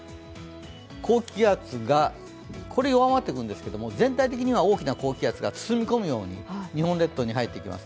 高気圧がここで弱まってくるんですけど全体的には大きな高気圧が包み込むように日本列島に入ってきます。